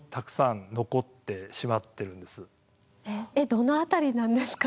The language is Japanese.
どの辺りなんですか？